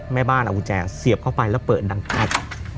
แม่บ้านเอากุญแจเสียบเข้าไปแล้วเปิดดังแป๊บ